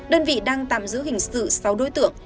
đơn vị đang tạm giữ hình sự sáu đối tượng